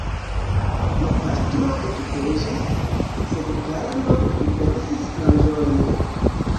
La pastro ekpreĝis, sed Karlo pripensis malĝoje.